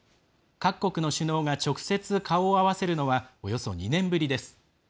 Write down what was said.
各国の首脳が直接、顔を合わせるのはおよそ２年ぶりです。